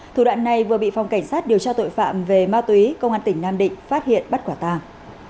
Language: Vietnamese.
thủ đoạn này vừa bị phòng cảnh sát điều tra tội phạm về ma túy công an tỉnh nam định phát hiện bắt quả tàng